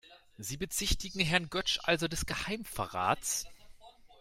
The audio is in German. Sie bezichtigen Herrn Götsch also des Geheimnisverrats?